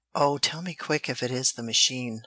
"Oh, tell me quick if it is the machine."